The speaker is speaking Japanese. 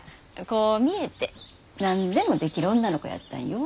こう見えて何でもできる女の子やったんよ。